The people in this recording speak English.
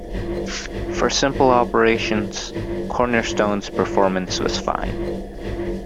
For simple operations, Cornerstone's performance was fine.